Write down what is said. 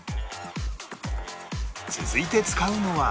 続いて使うのは